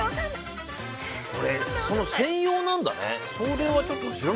それの専用なんだね。